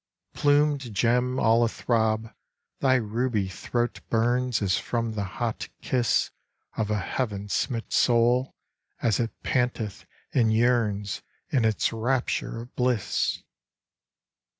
Plumed gem all athrob, Thy ruby throat burns As from the hot kiss Of a heaven smit soul As it panteth and yearns, In its rapture of bliss!